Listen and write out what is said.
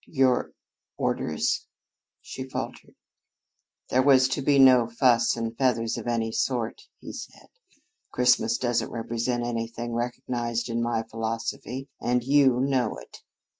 "Your orders?" she faltered. "There was to be no fuss and feathers of any sort," he said. "Christmas doesn't represent anything recognized in my philosophy, and you know it.